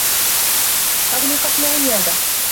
أُغلقت العيادة.